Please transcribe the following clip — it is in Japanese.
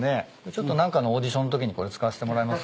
ちょっと何かのオーディションのときにこれ使わせてもらいます。